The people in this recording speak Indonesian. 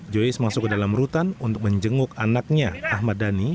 joyce masuk ke dalam rutan untuk menjenguk anaknya ahmad dhani